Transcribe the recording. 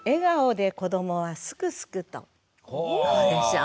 どうでしょう。